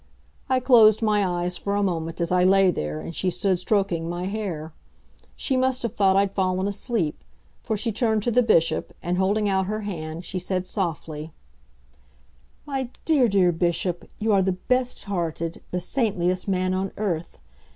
I closed my eyes for a moment as I lay there and she stood stroking my hair. She must have thought I'd fallen asleep, for she turned to the Bishop, and holding out her hand, she said softly: "My dear, dear Bishop, you are the best hearted, the saintliest man on earth.